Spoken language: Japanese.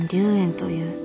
という